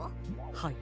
はい。